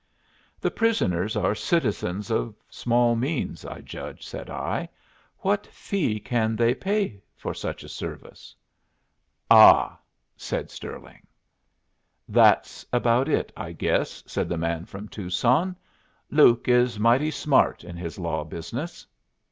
"The prisoners are citizens of small means, I judge," said I. "What fee can they pay for such a service?" "Ah!" said Stirling, "That's about it, I guess," said the man from Tucson. "Luke is mighty smart in his law business.